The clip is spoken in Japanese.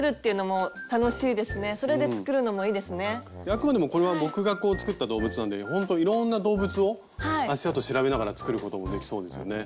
あくまでもこれは僕が作った動物なんでほんといろんな動物を足あと調べながら作ることもできそうですよね。